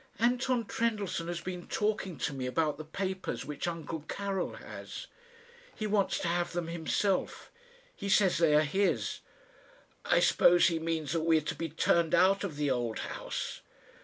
"Anton Trendellsohn has been talking to me about the papers which uncle Karil has. He wants to have them himself. He says they are his." "I suppose he means that we are to be turned out of the old house."